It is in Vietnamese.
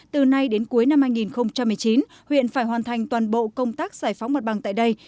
từ nay đến cuối năm hai nghìn một mươi chín huyện phải hoàn thành toàn bộ công tác giải phóng mặt bằng tại đây